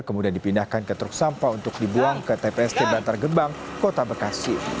kemudian dipindahkan ke truk sampah untuk dibuang ke tpst bantar gebang kota bekasi